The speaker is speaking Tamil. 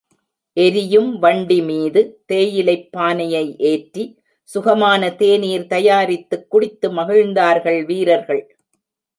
எரியும் வண்டிமீது தேயிலைப் பானையை ஏற்றி, சுகமான தேநீர் தயாரித்துக் குடித்து மகிழ்ந்தார்கள் வீரர்கள்.